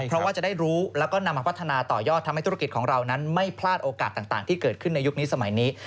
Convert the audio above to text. เพราะว่าจะได้รู้แล้วก็นำมาพัฒนาต่อยอดทำให้ธุรกิจของเรานั้นไม่พลาดโอกาสต่างที่เกิดขึ้นในยุคนี้สมัยนี้